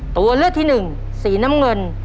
ตัวเลือกที่หนึ่งสีน้ำเงิน